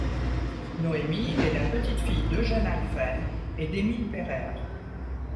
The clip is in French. Noémie est la petite-fille d'Eugène Halphen et d'Émile Pereire.